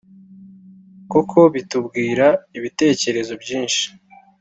kuko bitubwira ibitekerezo byinshi